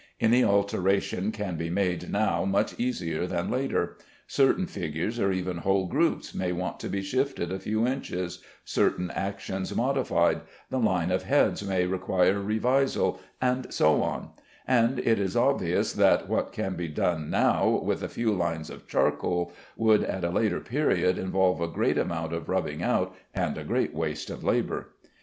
Any alteration can be made now much easier than later; certain figures or even whole groups may want to be shifted a few inches, certain actions modified, the line of heads may require revisal, and so on; and it is obvious that what can be done now with a few lines of charcoal, would at a later period involve a great amount of rubbing out and a great waste of labor.